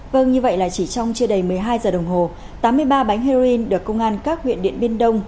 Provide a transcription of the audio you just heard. vâng như vậy là chỉ trong chưa đầy một mươi hai giờ đồng hồ tám mươi ba bánh heroin được công an các huyện điện biên đông